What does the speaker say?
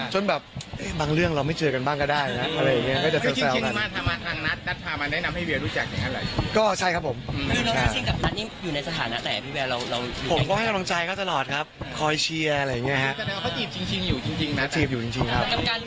จนแบบเฮ้ยบางเรื่องเราไม่เจอกันบ้างก็ได้นะอะไรอย่างเงี้ยก็จะเซา